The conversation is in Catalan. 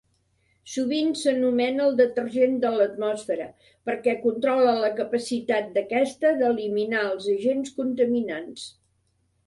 Sovint s’anomena el detergent de l’atmosfera, perquè controla la capacitat d’aquesta d’eliminar els agents contaminants.